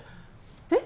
えっ？